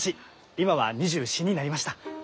今は２４になりました。